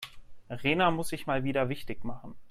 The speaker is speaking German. Rena muss sich mal wieder wichtig machen.